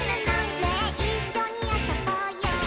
「ねえいっしょにあそぼうよ」